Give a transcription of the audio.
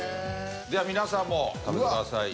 では皆さんも食べてください。